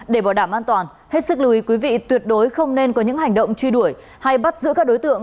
để bảo đảm an toàn hết sức lùi quý vị tuyệt đối không nên có những hành động truy đuổi hay bắt giữa các đối tượng